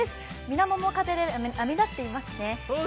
水面も風で波立っていますね。